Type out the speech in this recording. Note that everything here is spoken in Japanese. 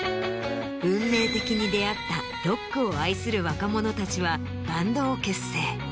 運命的に出会ったロックを愛する若者たちはバンドを結成。